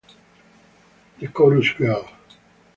The Chorus Girl